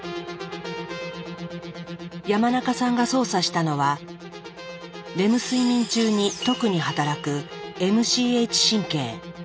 山中さんが操作したのはレム睡眠中に特に働くＭＣＨ神経。